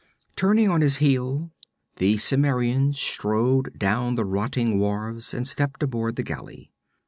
Turning on his heel, the Cimmerian strode down the rotting wharfs and stepped aboard the galley.